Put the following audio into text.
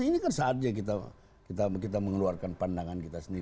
ini kan saatnya kita mengeluarkan pandangan kita sendiri